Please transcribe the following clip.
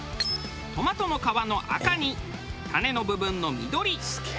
トマトの皮の赤に種の部分の緑。